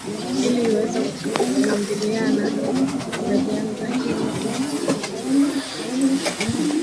ili iweza kukambiliana na janga hilo ambalo linatokea